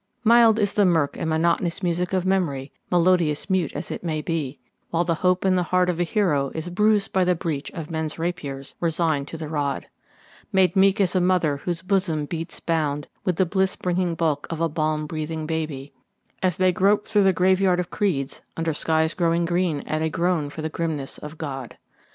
Mild is the mirk and monotonous music of memory, melodiously mute as it may be, While the hope in the heart of a hero is bruised by the breach of men's rapiers, resigned to the rod; Made meek as a mother whose bosom beats bound with the bliss bringing bulk of a balm breathing baby, As they grope through the graveyard of creeds, under skies growing green at a groan for the grimness of God.